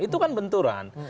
itu kan benturan